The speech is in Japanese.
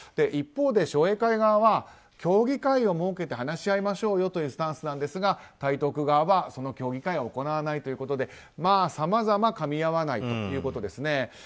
一方で商栄会側は協議会を設けて話し合いましょうよというスタンスなんですが台東区側は協議会は行わないということでさまざまかみ合わないということですね。